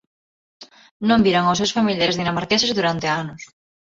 Non viran aos seus familiares dinamarqueses durante anos.